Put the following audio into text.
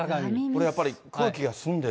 これやっぱり、空気が澄んでる？